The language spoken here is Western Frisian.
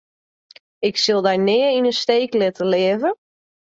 Ik sil dy nea yn 'e steek litte, leave.